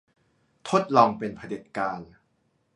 ทดลองเป็นเผด็จการ